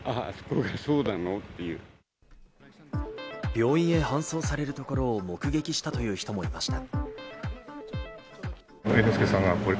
病院へ搬送されるところを目撃したという人もいました。